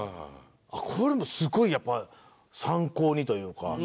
これもすごいやっぱ参考にというか。